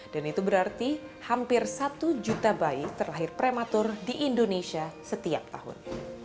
dan itu berarti hampir satu juta bayi terlahir prematur di indonesia setiap tahun